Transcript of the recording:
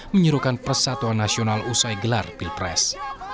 menyerukan persatuan nasional usai gelar pilpres